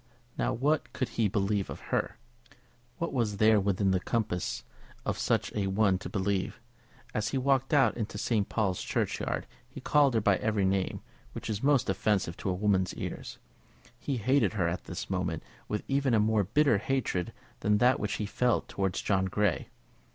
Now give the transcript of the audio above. Now, what could he believe of her? What was there within the compass of such a one to believe? As he walked out into St. Paul's Churchyard he called her by every name which is most offensive to a woman's ears. He hated her at this moment with even a more bitter hatred than that which he felt towards John Grey.